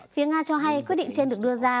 phía nga cho hay quyết định trên được đưa ra